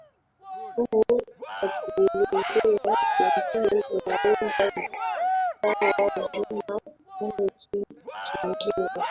uu akielezea pengine inaweza ikawa hujma au kitu kingine